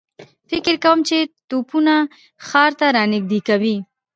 فکر کوم چې توپونه ښار ته را نږدې کوي.